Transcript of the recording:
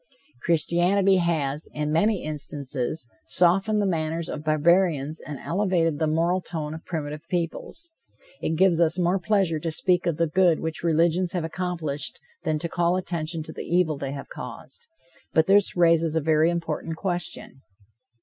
Christianity has, in many instances, softened the manners of barbarians and elevated the moral tone of primitive peoples. It gives us more pleasure to speak of the good which religions have accomplished than to call attention to the evil they have caused. But this raises a very important question.